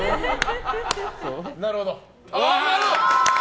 なるほど。